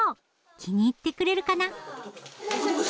気に入ってくれるかな？